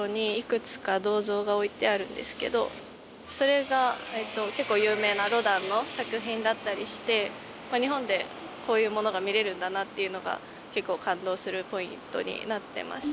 それが結構有名なロダンの作品だったりして日本でこういうものが見れるんだなっていうのが結構感動するポイントになってます。